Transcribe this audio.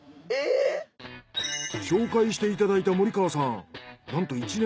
えっ！？紹介していただいた森川さん